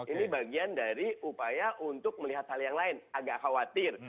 ini bagian dari upaya untuk melihat hal yang lain agak khawatir